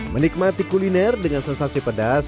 menikmati kuliner dengan sensasi pedas